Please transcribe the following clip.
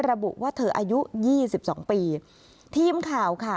ระบุว่าเธออายุยี่สิบสองปีทีมข่าวค่ะ